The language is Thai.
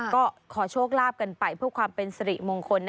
ก็ขอโชคลาภกันไปเพื่อความเป็นสิริมงคล